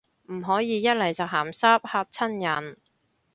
唔可以一嚟就鹹濕，嚇親人